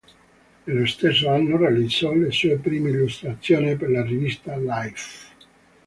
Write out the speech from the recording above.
Nello stesso anno realizzò le sue prime illustrazioni per la rivista Life.